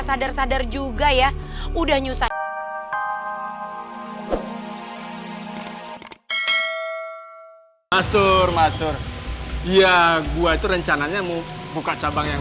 sadar sadar juga ya udah nyusah mastur mastur iya gue itu rencananya mau buka cabang yang